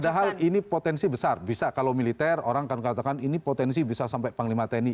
padahal ini potensi besar bisa kalau militer orang akan katakan ini potensi bisa sampai panglima tni